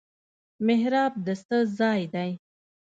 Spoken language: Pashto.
محراب د څه ځای دی؟